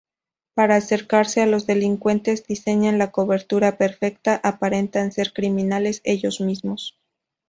Para acercarse a los delincuentes, diseñan la cobertura perfecta: aparentan ser criminales ellos mismos.